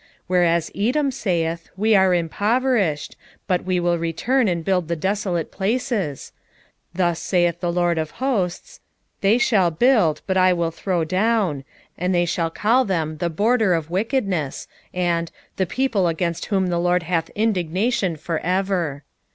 1:4 Whereas Edom saith, We are impoverished, but we will return and build the desolate places; thus saith the LORD of hosts, They shall build, but I will throw down; and they shall call them, The border of wickedness, and, The people against whom the LORD hath indignation for ever.